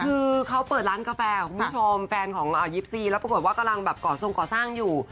คือเขาเปิดร้านกาแฟคุณผู้ชมแฟนของ๒๔แล้วปรากฏว่ากำลังแบบก่อทรงก่อสร้างอยู่